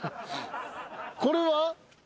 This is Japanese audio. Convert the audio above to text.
これは？